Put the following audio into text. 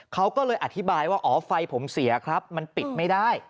เขาก็เลยอธิบายว่าอ๋อไฟผมเสียครับมันปิดไม่ได้